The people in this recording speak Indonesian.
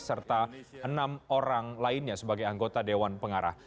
serta enam orang lainnya sebagai anggota dewan pengarah